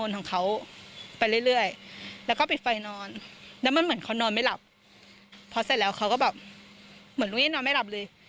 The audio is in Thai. เหมือนลูกนี้นอนไม่หลับเลย